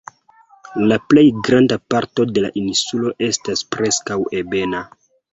La plej granda parto de la insulo estas preskaŭ ebena.